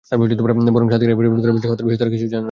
বরং সাক্ষীরা এফিডেভিট করে বলছে হত্যার বিষয়ে তারা কিছুই জানে না।